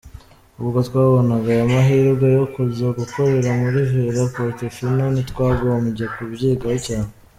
Ubwo twabonaga aya mahirwe yo kuza gukorera muri Villa Portofino ntitwagombye kubyigaho cyane.